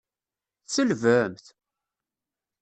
Tselbemt?